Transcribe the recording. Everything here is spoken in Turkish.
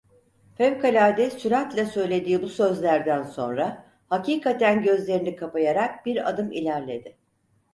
Fevkalade süratle söylediği bu sözlerden sonra hakikaten gözlerini kapayarak bir adım ilerledi.